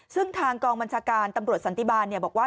ซึ่งทางกองบัญชาการตำรวจสันติบาลบอกว่า